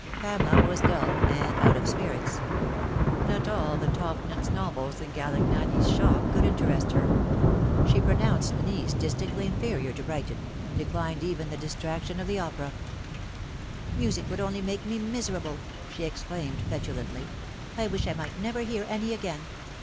Pamela was dull and out of spirits. Not all the Tauchnitz novels in Galignani's shop could interest her. She pronounced Nice distinctly inferior to Brighton ; declined even the distrac tion of the opera. " Music would only make me miserable," she exclaimed petu lantly. " I wish I might never hear any again.